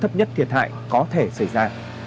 thấp nhất thiệt hại có thể xảy ra